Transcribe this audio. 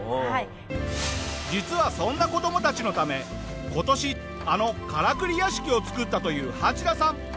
実はそんな子どもたちのため今年あのからくり屋敷を作ったというハチダさん。